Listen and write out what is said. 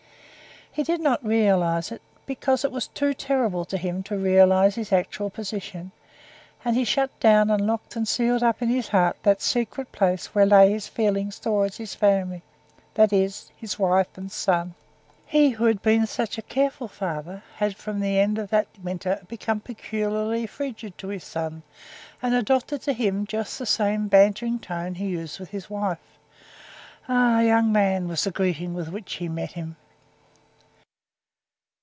He did not realize it, because it was too terrible to him to realize his actual position, and he shut down and locked and sealed up in his heart that secret place where lay hid his feelings towards his family, that is, his wife and son. He who had been such a careful father, had from the end of that winter become peculiarly frigid to his son, and adopted to him just the same bantering tone he used with his wife. "Aha, young man!" was the greeting with which he met him.